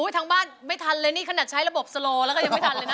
ทางบ้านไม่ทันเลยนี่ขนาดใช้ระบบสโลแล้วก็ยังไม่ทันเลยนะ